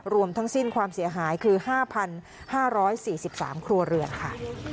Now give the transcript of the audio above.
รวมทั้งสิ้นความเสียหายคือ๕๕๔๓ครัวเรือนค่ะ